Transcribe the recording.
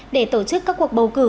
để tổ chức các cuộc bầu cử như dự kiến